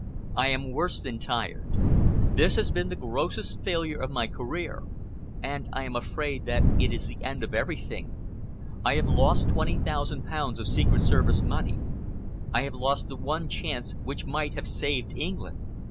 "I am worse than tired. This has been the grossest failure of my career, and I am afraid that it is the end of everything. I have lost twenty thousand pounds of Secret Service money; I have lost the one chance which might have saved England.